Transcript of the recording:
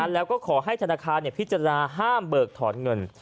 แล้วก็ขอให้ธนาคารพิจารณาห้ามเบิกถอนเงิน